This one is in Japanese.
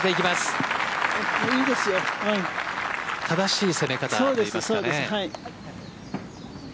正しい攻め方でしたね。